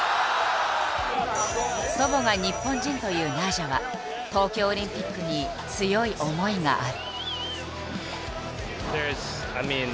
祖母が日本人というナイジャは東京オリンピックに強い思いがある。